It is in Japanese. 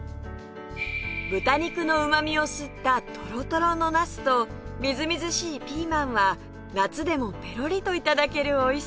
豚肉のうまみを吸ったとろとろのなすとみずみずしいピーマンは夏でもペロリと頂けるおいしさ